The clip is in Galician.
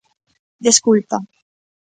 Desculpa!